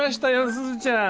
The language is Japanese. すずちゃん。